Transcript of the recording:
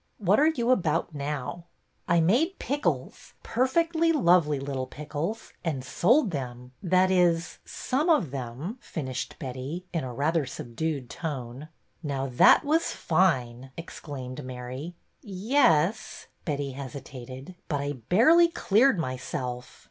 '' What are you about now ?" I made pickles, perfectly lovely little pickles, and sold them, — that is, some of them," finished Betty, in a rather subdued tone. Now that was fine !" exclaimed Mary. '' Ye es," Betty hesitated. But I barely cleared myself."